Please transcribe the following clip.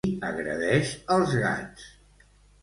Qui agredeix els gats?